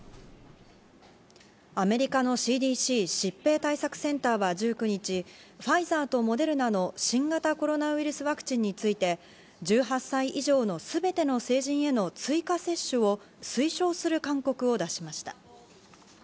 アメリカのＣＤＣ＝疾病対策センターは１９日、ファイザーとモデルナの新型コロナウイルスワクチンについて、１８歳以上の全ての成人への追加接種を推奨する勧告を出しました。